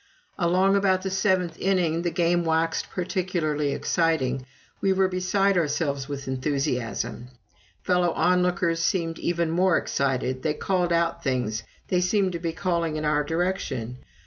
Along about the seventh inning, the game waxed particularly exciting we were beside ourselves with enthusiasm. Fellow onlookers seemed even more excited they called out things they seemed to be calling in our direction.